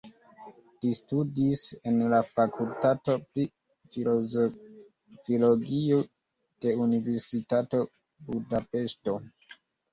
Li studis en la fakultato pri filologio de Universitato Budapeŝto.